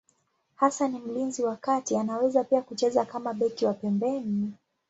Hasa ni mlinzi wa kati, anaweza pia kucheza kama beki wa pembeni.